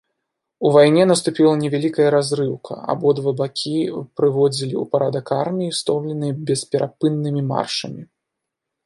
У вайне наступіла невялікая разрыўка, абодва бакі прыводзілі ў парадак арміі, стомленыя бесперапыннымі маршамі.